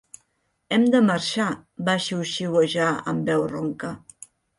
"Hem de marxar", va xiuxiuejar amb veu ronca.